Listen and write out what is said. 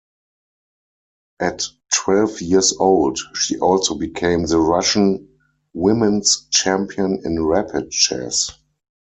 At twelve years old she also became the Russian women's champion in rapid chess.